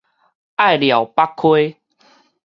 隘寮北溪